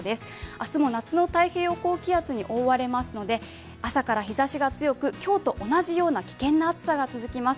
明日も夏の太平洋高気圧に覆われますので、朝から日ざしが強く、今日と同じような危険な暑さが続きます。